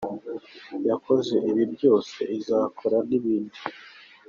Iyakoze ibi byose mwumva izakora n’ibindi.